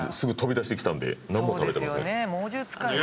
なんも食べてません。